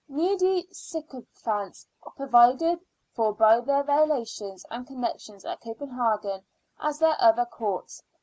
Needy sycophants are provided for by their relations and connections at Copenhagen as at other courts.